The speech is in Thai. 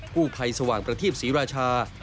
ผู้ภัยสว่างประทีปศรีราชา